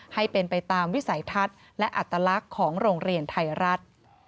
ให้เป็นไปตามวิสัยทัศน์และอัตลักษณ์ของโรงเรียนไทยรัฐ